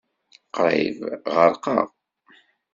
Qrib ɣerqeɣ.